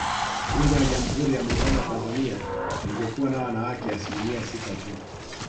Bunge la Jamhuri ya Muungano wa Tanzania lingekuwa na wanawake asilimia sita tu